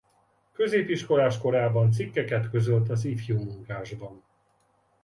Középiskolás korában cikkeket közölt az Ifjúmunkásban.